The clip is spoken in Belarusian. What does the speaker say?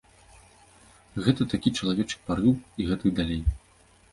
Гэта такі чалавечы парыў і гэтак далей.